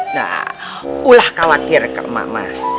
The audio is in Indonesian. nah ulah khawatir ke mak mak